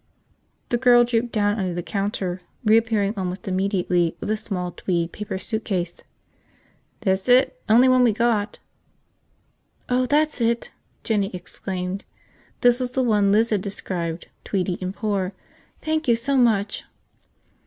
The girl drooped down under the counter, reappearing almost immediately with a small tweed paper suitcase. "This it? Only one we got." "Oh, that's it!" Jinny exclaimed. This was the one Liz had described, tweedy and poor. "Thank you so much!"